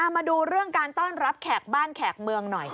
มาดูเรื่องการต้อนรับแขกบ้านแขกเมืองหน่อย